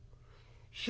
「師匠。